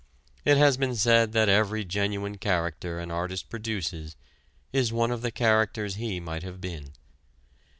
It has been said that every genuine character an artist produces is one of the characters he might have been.